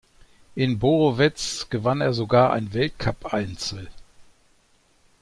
In Borowez gewann er sogar ein Weltcup-Einzel.